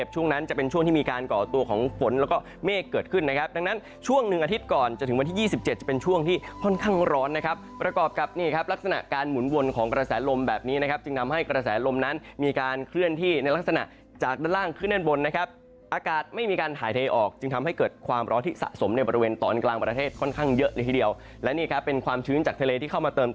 ช่วงหนึ่งอาทิตย์ก่อนจะถึงวันที่๒๗จะเป็นช่วงที่ค่อนข้างร้อนนะครับประกอบกับนี่ครับลักษณะการหมุนวนของกระแสลมแบบนี้นะครับจึงทำให้กระแสลมนั้นมีการเคลื่อนที่ในลักษณะจากด้านล่างขึ้นด้านบนนะครับอากาศไม่มีการหายเทออกจึงทำให้เกิดความร้อนที่สะสมในบริเวณตอนกลางประเทศค่อนข้างเยอะเลยที